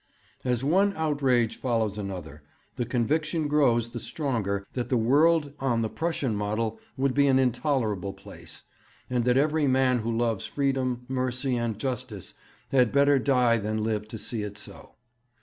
As one outrage follows another the conviction grows the stronger that the world on the Prussian model would be an intolerable place, and that every man who loves freedom, mercy, and justice had better die than live to see it so.